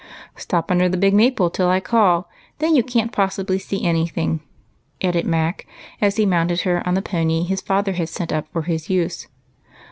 " Stop under the big maple till I call, — then you can't possibly see any thing," added Mac, as he mounted her on the pony his father had sent up for his use.